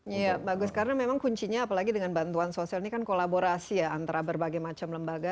iya bagus karena memang kuncinya apalagi dengan bantuan sosial ini kan kolaborasi ya antara berbagai macam lembaga